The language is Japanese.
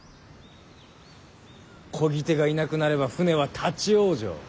こぎ手がいなくなれば舟は立往生。